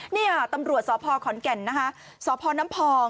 นี่อ่ะตำรวจศพคอนแก่นชพอน้ำพร